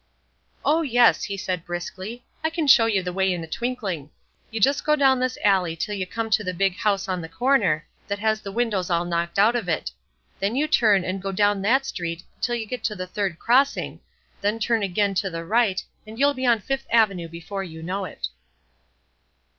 "Oh, yes," he said, briskly, "I can show you the way in a twinkling. You just go down this alley till you come to the big house on the corner, that has the windows all knocked out of it; then you turn and go down that street till you get to the third crossing; then turn again to the right, and you'll be on Fifth Avenue before you know it."